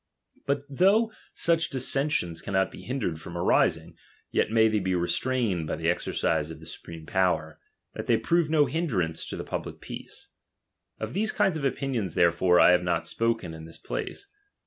But though such dissensions cannot be hindered from arising, yet may they be restrained by the exercise of the su preme power, that they prove no hindrance lo the public peace. Of these kinds of opinions, therefore, I have not spoken in this place.